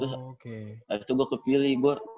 terus abis itu gue kepilih